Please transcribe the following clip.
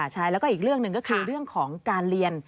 ใช่แล้วก็อีกเรื่องหนึ่งก็คือเรื่องของการเรียน